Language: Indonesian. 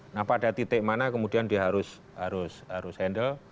nah pada titik mana kemudian dia harus handle